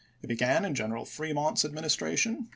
It began in General Fremont's adminis tration.